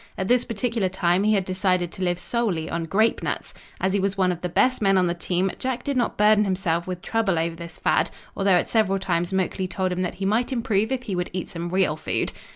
At this particular time he had decided to live solely on grape nuts. As he was one of the best men on the team, Jack did not burden himself with trouble over this fad, although at several times Moakley told him that he might improve if he would eat some real food.